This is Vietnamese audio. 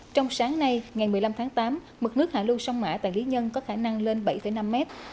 trong sáng nay ngày một mươi năm tháng tám mực nước hạ lưu sông mã tại lý nhân có khả năng lên bảy năm mét